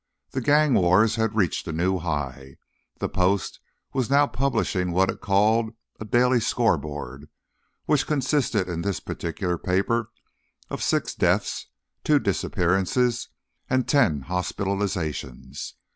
The gang wars had reached a new high; the Post was now publishing what it called a Daily Scoreboard, which consisted in this particular paper of six deaths, two disappearances and ten hospitalizations.